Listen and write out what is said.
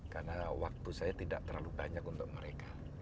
karena waktu saya tidak terlalu banyak untuk mereka